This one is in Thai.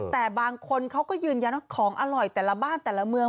แต่บางคนเขาก็ยืนยันว่าของอร่อยแต่ละบ้านแต่ละเมือง